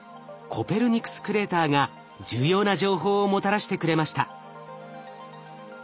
コペルニクスクレーターが重要な情報をもたらしてくれました。